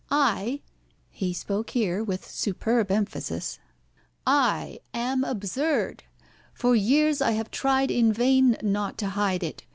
I" he spoke here with superb emphasis "I am absurd. For years I have tried in vain not to hide it.